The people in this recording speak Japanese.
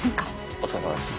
お疲れさまです。